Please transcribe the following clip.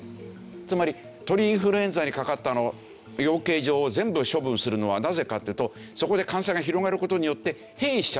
つまり鳥インフルエンザにかかった養鶏場を全部処分するのはなぜかっていうとそこで感染が広がる事によって変異しちゃうんじゃないか。